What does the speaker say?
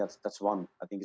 dan kita harus memastikan